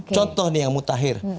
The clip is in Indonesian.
contoh nih yang mutakhir